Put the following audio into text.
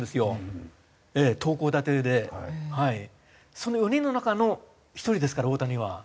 その４人の中の１人ですから大谷は。